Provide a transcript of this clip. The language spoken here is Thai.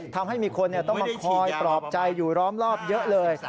ทำให้มีคนต้องมาคอยปลอบใจอยู่ล้อมรอบเยอะเลย